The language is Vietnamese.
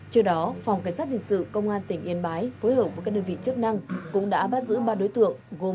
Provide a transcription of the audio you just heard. trước đó phòng cảnh sát hình sự công an tỉnh yên bái phối hợp với các đơn vị chức năng cũng đã bắt giữ ba đối tượng gồm